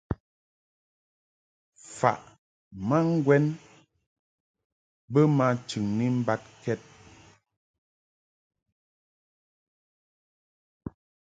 Faʼ ma ŋgwɛn bə ma chɨŋni mbad kɛd.